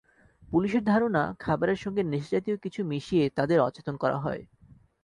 পুলিশের ধারণা, খাবারের সঙ্গে নেশাজাতীয় কিছু মিশিয়ে তাঁদের অচেতন করা হয়।